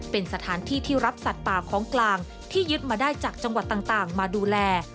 เป็นสถานที่ที่รับสัตว์ป่าของกลางที่ยึดมาได้จากจังหวัดต่างมาดูแล